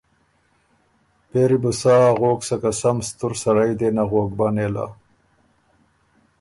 پېری بو سا اغوک سکه سم ستُر سړئ دې نغوک بۀ نېله۔